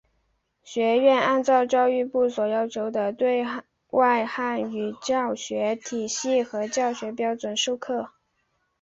学院按照教育部所要求的对外汉语教学体系和教学标准授课。